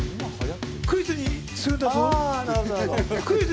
クイズにするんだぞ。